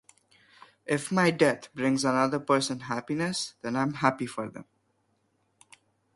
If my death brings another person happiness, then I'm happy for them.